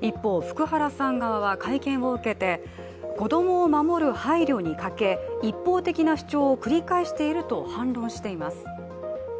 一方、福原さん側は会見を受けて子供を守る配慮に欠け一方的な主張を繰り返していると反論しています。